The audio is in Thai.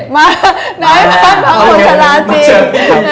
มาละพักผ่านโคนชาราจริง